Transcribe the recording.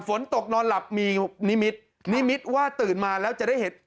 ฝนตกนอนหลับมีนิมิตนิมิตว่าตื่นมาแล้วจะได้เห็น